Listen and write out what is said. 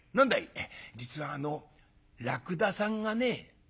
「実はあのらくださんがね」。